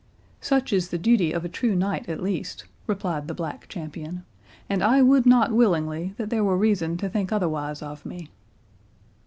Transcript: "Such is the duty of a true knight at least," replied the Black Champion; "and I would not willingly that there were reason to think otherwise of me."